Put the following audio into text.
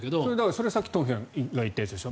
それは、さっき東輝さんが言ったやつでしょ。